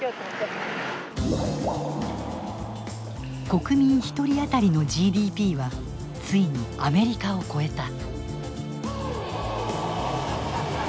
国民１人あたりのＧＤＰはついにアメリカを超えた。